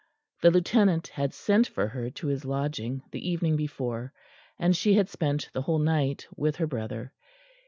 The Lieutenant had sent for her to his lodging the evening before, and she had spent the whole night with her brother.